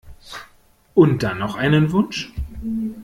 Und dann noch einen Wunsch?